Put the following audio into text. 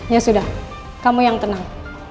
ya sudah kamu yang tenang